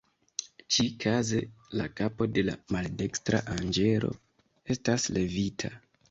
Ĉi-kaze, la kapo de la maldekstra anĝelo estas levita.